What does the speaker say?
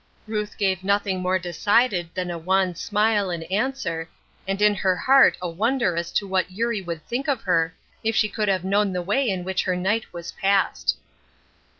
Ruth gave nothing more decided than a wan smile in answer, and in her heart a wonder as to what Eurie would think of her if she could have known the way in which her night was passed.